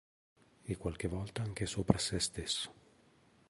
E qualche volta anche sopra sé stesso.